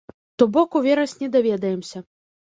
То бок у верасні даведаемся.